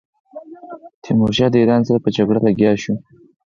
تیمورشاه د ایران سره په جګړه لګیا شو.